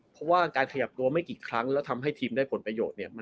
เพราะว่าการขยับตัวไม่กี่ครั้งแล้วทำให้ทีมได้ผลประโยชน์เนี่ย